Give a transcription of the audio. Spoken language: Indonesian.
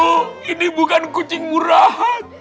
oh ini bukan kucing murahan